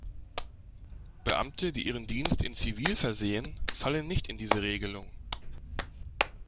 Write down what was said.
Beamte, die ihren Dienst in Zivil versehen, fallen nicht in diese Regelung.